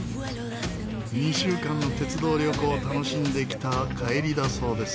２週間の鉄道旅行を楽しんできた帰りだそうです。